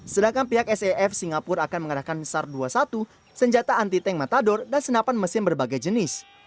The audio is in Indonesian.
sedangkan pihak saf singapura akan mengerahkan sar dua puluh satu senjata anti tank matador dan senapan mesin berbagai jenis